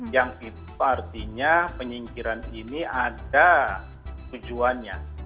yang itu artinya penyingkiran ini ada tujuannya